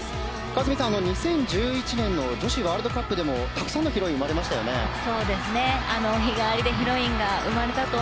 川澄さん、２０１１年の女子ワールドカップでもたくさんのヒロインが生まれましたね。